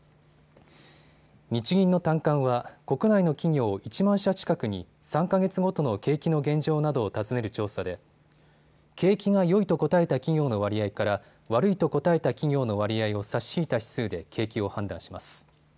日銀の短観は国内の企業１万社近くに３か月ごとの景気の現状などを尋ねる調査で景気がよいと答えた企業の割合から悪いと答えた企業の割合を差し引いた指数で景気を判断します。